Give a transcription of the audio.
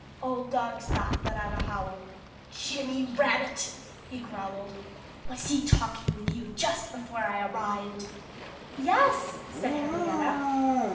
Old dog Spot let out a howl. "Jimmy Rabbit!" he growled. "Was he talking with you just before I arrived?" "Yes!" said Henrietta.